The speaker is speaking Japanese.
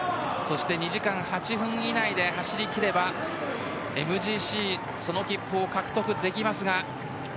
２時間８分以内で走り切ればＭＧＣの切符を獲得できますが。